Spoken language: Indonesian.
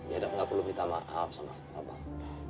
jadi abang nggak perlu minta maaf sama abang